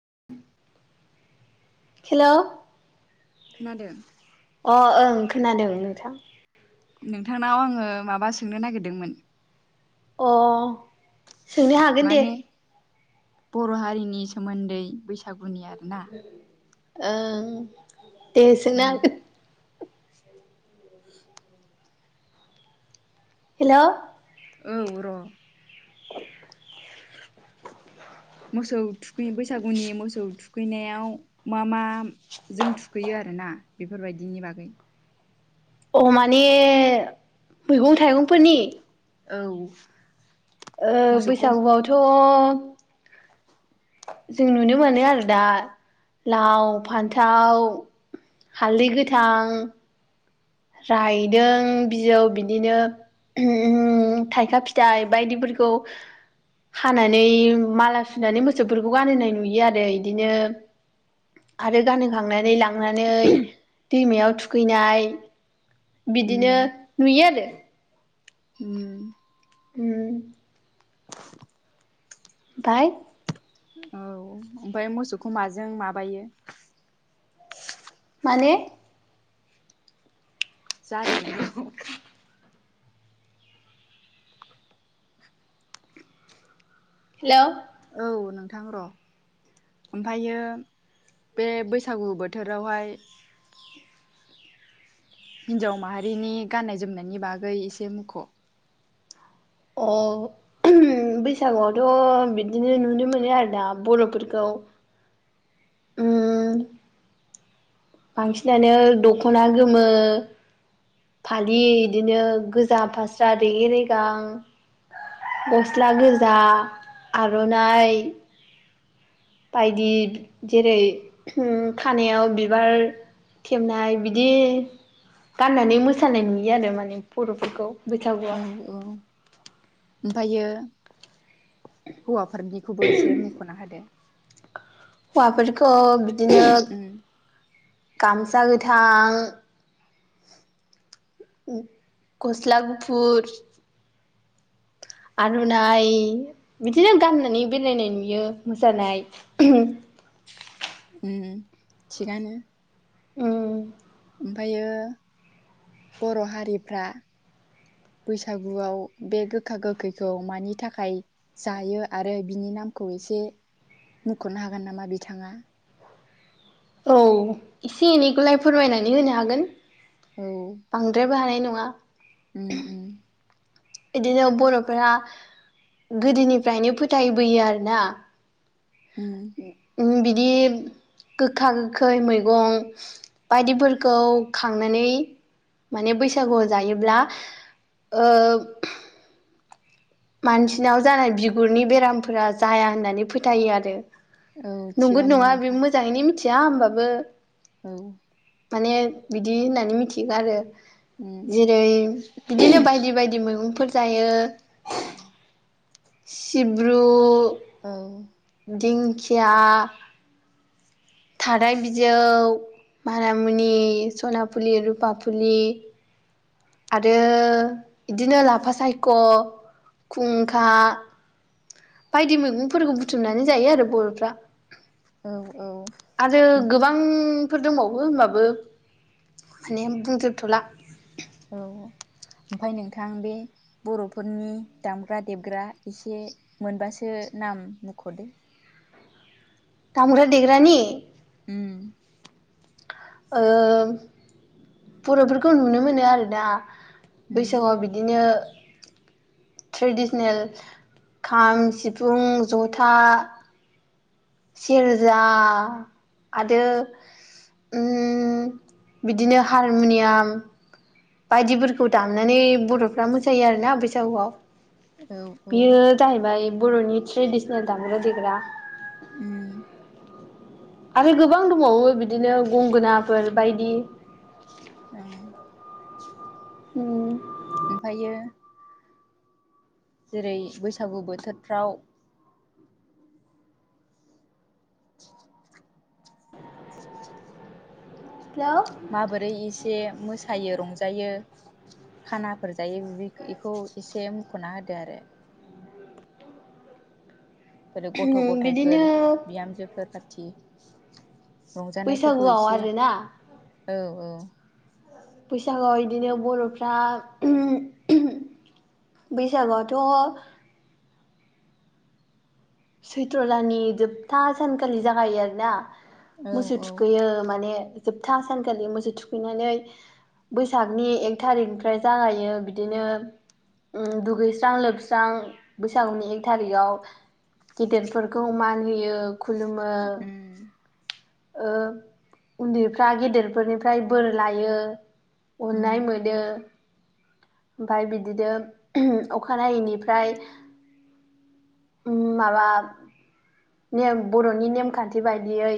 [inaudible] Hello. खोनादों अ ओं खोनादों नोंथां नोंथांनाव आङो माबा सोंनो नागिरदोंमोन अ सोंनो हागोन दे। माने बर' हारिनि सोमोन्दै बैसागुनि आरो ओं दे सोंनो हागोन हेल' औ र' [inaudible] मोसौ थुखै बैसागुनि मोसौ थुखैनायाव मा मा जों थुखैयो आरोना बेफोरबायदिनि बागै अ माने मैगं थाइगंफोरनि? औ ओ मोसौखौ बैसागुआवथ' जों नुनो मोनो आरो दा लाव- फान्थाव हालदै गोथां रायदों बिजौ बिदिनो ओम थाइखा फिथाइ बायदिफोरखौ हानानै माला सुनानै मोसौफोरखौ गानहोनाय नुयो आरो इदिनो आरो गानखांनानै लांनानै दैमायाव थुखैनाय उम बिदिनो नुयो आरो उम हम उफाय औ ओमफ्राय मोसौखौ माजों माबायो। माने जारिनायखौ हेलौ। औ नोंथां र' ओमफ्रायो बे बैसागु बोथोरावहाय हिनजाव माहारिनि गाननाय जोमनायनि बागै एसे मुख'। औ उम बैसागुआवथ' बिदिनो नुनो मोनो आरो दा बर'फोरखौ [inaudible] बांसिनानो दख'ना गोमो फालि इदिनो गोजा फास्रा रेगेरेगां गस्ला गोजा आर'नाइ बायदि जेरै उम खानायाव बिबार खेबनाय बिदि गाननानै मोसानाय नुयो आरो माने बर'फोरखौ औ बैसागुआव। औ ओमफ्रायो हौवाफोरनिखौबो एसे मुंख'ना होदो। हौवाफोरखौ बिदिनो उम गामसा गोथां गस्ला गुफुर आर'नाइ बिदिनो गाननानै बेरायनाय नुयो मोसानाय [unintelligible] [unintelligible] उम थिगानो उम ओमफ्रायो बर' हारिफ्रा बैसागुआव बे गोखा गोखैखौ मानि थाखाय जायो आरो बिनि नामखौ एसे मुख'नो हागोन नामा बिथाङा। औ एसे एनैखौलाय फोरमायनानै होनो हागोन औ बांद्रायबो हानाय नङा नङा उम बिदिनो बर'फोरा गोदोनिफ्रायनो फोथायबोयो आरोना उम उम बिदि गोखा गोखै मैगं बायदिफोरखौ खांनानै माने बैसागुआव जायोब्ला ओ मानसिनाव जानाय बिगुरनि बेरामफोरा जाया होननानै फोथायो आरो। औ नंगौ थिगानो नङा बे नोंथां मोजाङैनो मिथिया होमबाबो औ माने बिदि होननानै मिथिगो आरो उम जेरै बिदिनो बायदि बायदि मैगंफोर जायो। सिब्रु औ खिया थाराय बिजौ मानामुनि सनाफुलि रुपाफुलि आरो बिदिनो लाफा सायख' खुंखा बायदि मैगंफोरखौ बुथुमनानै जायो आरो बर'फ्रा औ आरो गोबां फोर दंबावो होनोमबाबो माने बुंजोबथ'ला औ ओमफफ्राय नोंथां बे बर'फोरनि दामग्रा देबग्रा एसे मोनबासो नाम मुख' दो। दामग्रा देग्रानि। उम ओ बर'फोरखौ नुनो मोनो आरो ना। उम बैसागआव बिदिनो। ट्रेडिसनेल खाम सिफुं जथा सेरोजा आरो उम बिदिनो हारमुनियाम बायदिफोरखौ दामनानै बर'फ्रा मोसायो आरोना बैसागुआव। औ औ बेयो जाहैबाय बर'नि ट्रेडिसनेल दामग्रा देग्रा। उम आरो गोबां दबावो बिदिनो गंगोनाफोर बायदि उम ओमफ्रायो। जेरै बैसागु बोथोरफ्राव [inaudible] हेल' माबोरै एसे मोसायो रंजायो खानाफोर जायो बि बेखौ एसे मख'ना होदो आरो। आरो गथ' बिदिनो गथायाइफोर बिहामजोफोर खाथि। बैसागुआव आरोना। ‌ औ औ। बैसागआव बिदिनो बर'फ्रा बैसागु आथ' सैथ्र' दानि जोबथा सानखालि जागायो आरोना। औ मोसौ औ थुखैयो माने जोबथा सानखालि मोसौ थुखैनानै बैसागनि एक थारिखनिफ्राय जागायो बिदिनो उम दुगैस्रां लोबस्रां बैसागुनि एक थारिगाव गेदेरफोरखौ मान होयो खुलुमो। उम ओ उन्दैफ्रा गेदेरफोरनिफ्राय बोर लायो उम अननाय मोनो। ओमफाय बिदिनो अखानायैनिफ्राय उम माबा ने बर'नि नेमखान्थि बायदियै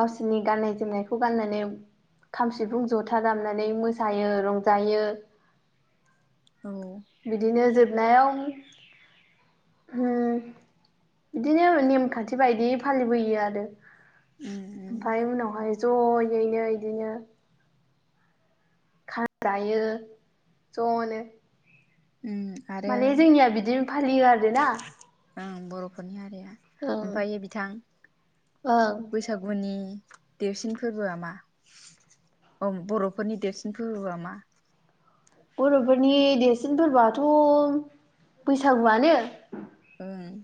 गावसोरनि गाननाय जोमनायखौ गाननानै। खाम सिफुं जथा दामनानै मोसायो रंजायो। [inaudible] बिदिनो जोब नायाव हुम बिदिनो नेमखा थिबायदि फालिबोयो आरो उम उम ओमफफ्राय उनावहाय ज'यैनो बिदिनो खाजायो ज'नो। उम आरो माने जोंनिया बिदिनो फालियो आरो ना। उम बर'फोरनि हारिया ओमफ्रायायो बिथां ओं बैसागुनि देरसिन फोरबोआ मा ओम बर'फोरनि देरसिन फोरबोआ मा बर'फोरनि देरसिन फोरबोआथ' बैसागुआनो। ओं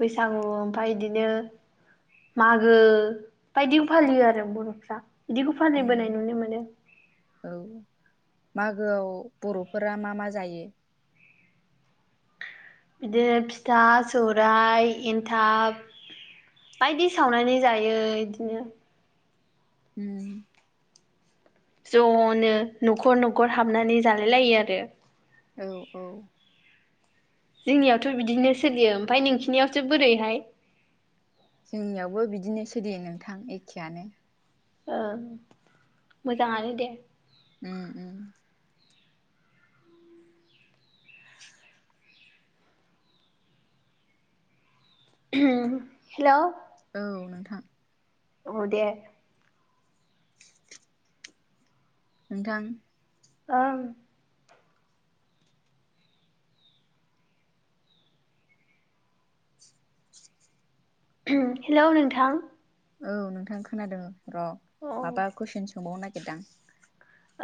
बैसागु ओमफफ्राय बिदिनो मागो बायदि फालियो आरो बर'फ्रा। बिदिखौ फानबोनाय उम नुनो मोनो। औ मागोआव बर'फोरा मा मा जायो? बिदिनो फिथा सौरायाइ एनथाब। बायदि सावनानै जायो बिदिनो उम। ज'नो न'खर न'खर हाबनानै जालाय लायो आरो। औ औ जोंनियावथ' बिदिनो सोलियो ओमफ्राय नोंसिनियावसो बोरैहाय? जोंनियावबो बिदिनो सोलियो नोंथां एखेआनो। औ मोजाङानो दे। उम उम हेल' औ नोंथां। औ दे। नोंथां। ओम। हेलौ नोंथां। औ नोंथां खोनादों र' औ माबा कुइसन सोंबावनो नागिरदां।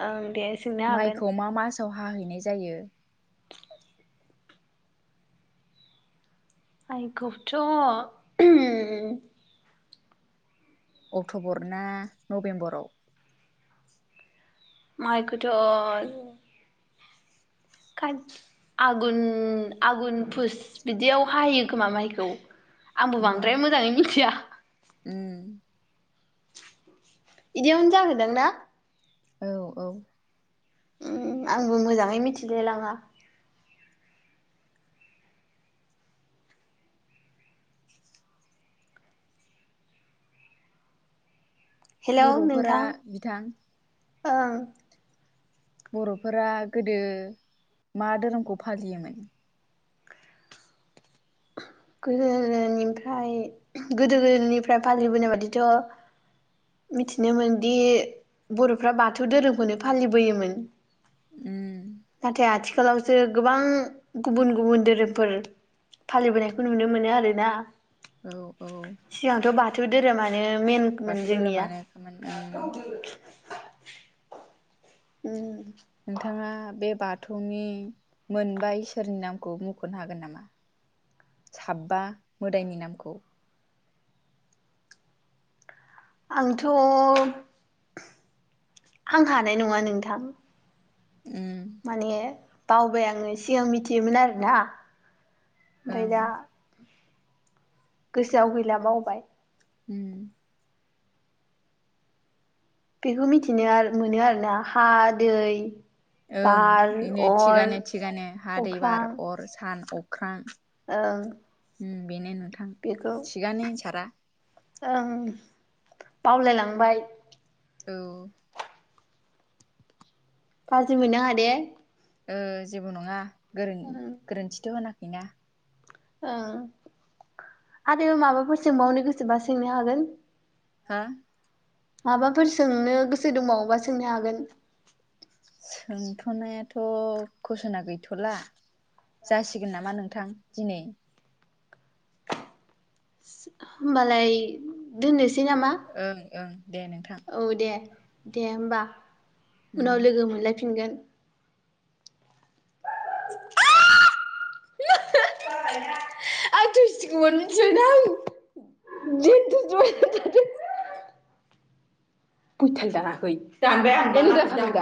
ओं दे। सोंनो हागोन माइखौ मा मासाव हाहैनाय जायो? माइखौथ' अक्ट'बर ना नभेम्बराव माइखौथ' कास आघुन आघुन फुस बिदियाव हायो खोमा माइखौ आंबो उम बांद्राय मोजाङै मिथिया उम। बिदियावनो जाहोदों ना? औ औ। आंबो मोजाङै मिथिलाय लाङा। हेल' बर'फोरा नोंथां बिथां ओं। बर'फोरा गोदो मा धोरोमखौ फालियोमोन? [inaudible] गोदो गोदायनिफ्राय गोदो गोदायनिफ्राय फालिबोनाय बादिथ'। मिथिनोमोनदि बर'फ्रा बाथौ धोरोमखौनो फालिबोयोमोन। उम नाथाय आथिखालावसो गोबां गुबुन गुबुन धोरोमफोर। फालिबोनायखौ नुनो मोनो आरोना। औ औ। सिगांथ' बाथौ धोरोमानो मेनमोन बाथौ जोंनिया। धोरोमानोखामोन ओं उम। नोंथाङा बे बा थौनि मोनबाया इसोरनि नामखौ मुंख'नो हागोन नामा। साबा मोदायनि नामाखौ। आंथ' आं हानाय नङा नोंथां। उम माने बावबाय आङो सिगां मिथियोमोन आरोना। औ ओमफ्राय दा। गोसोआव गैला बावबाय। उम। बेखौ मिथिनो मोनो आरोना हा दै। ओं बार बेनो अर थिगानो थिगानो हा दै बार अर सान अख्रां। औ। बेनो नोंथां थिगानो एनसारा। ओं बावलायलांबाय। औ। गाज्रि मोननोङा दो। ओ जेबो नङा गोरोन ओं गोरोन्थिथ' होनाखैना। ओं आरो माबाफोर सोंबावनो गोसोबा सोंनो हागोन। हो। माबाफोर सोंनो गोसो दंबावोबा सोंनो हागोन। सोंथ'नायाथ' कुसना गैथ'ला। जासिगोन नामा नोंथां दिनै। होमबालाय दोननोसै नामा ओं ओं दे नोंथां औ दे। दे होमबा उनाव उम लोगो मोनलायफिनगोन। ज [inaudible] आं थैसिगौमोन मिथिबायना आं [unintelligible] [unintelligible]